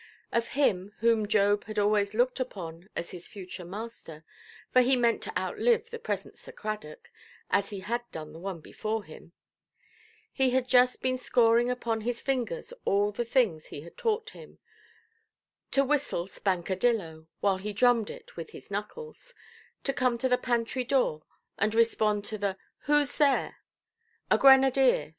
Of him, whom Job had always looked upon as his future master (for he meant to outlive the present Sir Cradock, as he had done the one before him), he had just been scoring upon his fingers all the things he had taught him—to whistle "Spankadillo", while he drummed it with his knuckles; to come to the pantry–door, and respond to the "Whoʼs there"?—"A grenadier"!